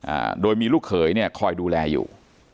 อ่าโดยมีลูกเขยเนี้ยคอยดูแลอยู่